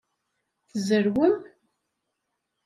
Tzerrwem?